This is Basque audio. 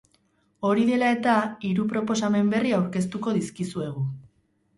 Hori dela eta, hiru proposamen berri aurkeztuko dizkizuegu.